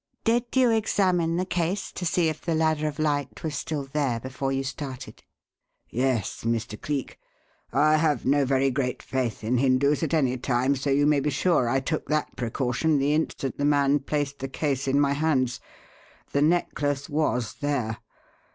"Did you examine the case to see if the Ladder of Light was still there before you started?" "Yes, Mr. Cleek. I have no very great faith in Hindus at any time, so you may be sure I took that precaution the instant the man placed the case in my hands. The necklace was there.